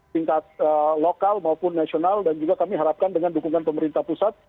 tingkat lokal maupun nasional dan juga kami harapkan dengan dukungan pemerintah pusat